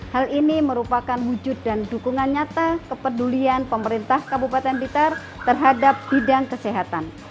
hal ini merupakan wujud dan dukungan nyata kepedulian pemerintah kabupaten blitar terhadap bidang kesehatan